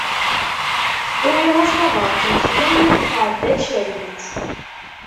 Uriɣ-as tabrat n sslam, tɛedda tcerreg-itt.